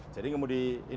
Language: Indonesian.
jadi kemudian ini memudikan